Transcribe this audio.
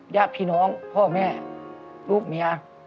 ญาติพี่น้องพ่อแม่ลูกเมีย